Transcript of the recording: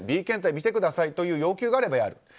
Ｂ検体見てくださいという要求があればやる。